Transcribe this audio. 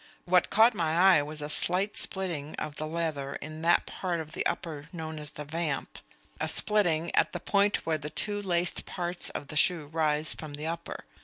What caught my eye was a slight splitting of the leather in that part of the upper known as the vamp, a splitting at the point where the two laced parts of the shoe rise from the upper.